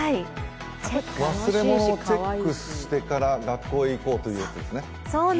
忘れ物をチェックしてから学校へ行こうというんですね。